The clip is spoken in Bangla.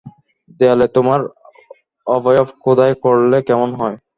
দেয়ালে তোমার অবয়ব খোদাই করলে কেমন হয়?